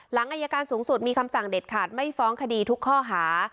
อายการสูงสุดมีคำสั่งเด็ดขาดไม่ฟ้องคดีทุกข้อหา